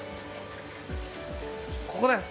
ここです。